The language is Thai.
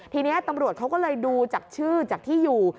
ทีนี้ตำรวจเขาก็เลยดูจากชื่อจากที่อยู่